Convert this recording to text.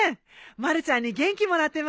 まるちゃんに元気もらってます！